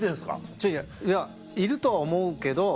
違う違ういやいるとは思うけど。